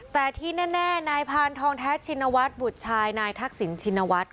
น่านายพานทองแท้ชินวัดบุตรชายนายทักษิณชินวัด